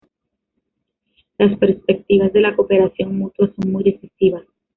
Las perspectivas de la cooperación mutua son muy decisivas.